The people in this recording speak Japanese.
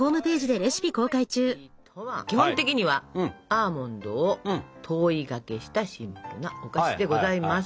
コンフェッティとは基本的にはアーモンドを糖衣がけしたシンプルなお菓子でございます。